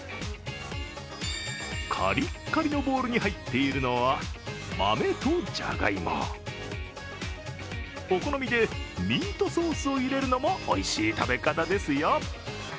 カリカリのボールに入っているのは、豆とじゃがいも。お好みでミントソースを入れるのも、おいしい食べ方ですよ。